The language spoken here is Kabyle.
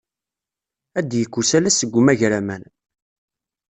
Ad d-yekk usalas seg umagraman.